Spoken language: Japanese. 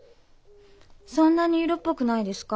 そんなに色っぽくないですか？